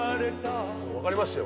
もう分かりましたよ